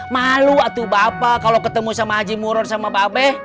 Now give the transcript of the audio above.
malu atuh bapak kalo ketemu sama haji muron sama babe